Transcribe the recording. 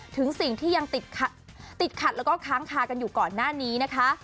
ถึงสิ่งที่ยังติดขัดแล้วก็ค้างคากันอยู่ก่อนหน้านี้นะคะ